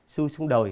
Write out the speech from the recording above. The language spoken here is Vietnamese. xuôi xuống đồi